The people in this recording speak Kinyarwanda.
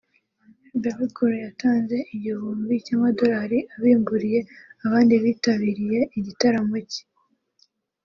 Bebe Cool yatanze igihumbi cy’amadolari abimburiye abandi bitabiriye igitaramo cye